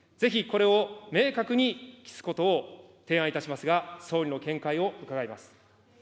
ぜひこれを明確に記すことを提案いたしますが、総理の見解を伺います。